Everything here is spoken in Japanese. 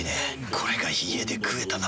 これが家で食えたなら。